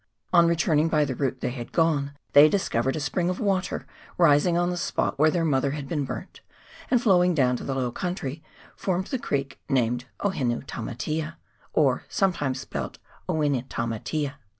On returning by the route they had gone, they discovered a spring of water rising on the spot where their mother had been burnt, and flowing down to the low country formed the creek named " Ohinutamatea " (or sometimes spelt Oinetamatea).